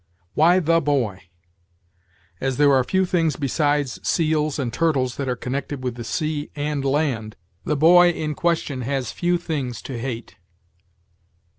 Why the boy? As there are few things besides seals and turtles that are connected with the sea and land, the boy in question has few things to hate.